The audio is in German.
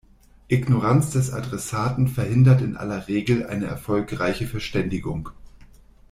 Ignoranz des Adressaten verhindert in aller Regel eine erfolgreiche Verständigung.